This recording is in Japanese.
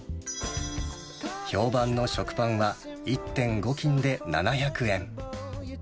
評判の食パンは１．５斤で７００円。